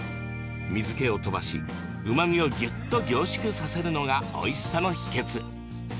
水けを飛ばしうまみをぎゅっと凝縮させるのがおいしさの秘けつ。